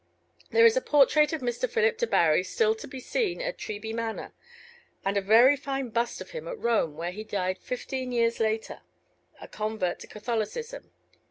There is a portrait of Mr. Philip Debarry still to be seen at Treby Manor, and a very fine bust of him at Rome, where he died fifteen years later, a convert to Catholicism.